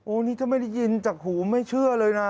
นี่ถ้าไม่ได้ยินจากหูไม่เชื่อเลยนะ